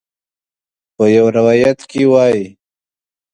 په یو روایت کې وایي.